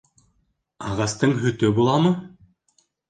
Ағастың һөтө буламы?